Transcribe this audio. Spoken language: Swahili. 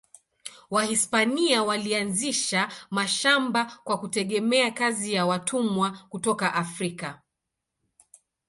Wahispania walianzisha mashamba kwa kutegemea kazi ya watumwa kutoka Afrika.